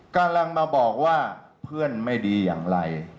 กำลังมาบอกว่าเพื่อนไม่ดีอย่างไร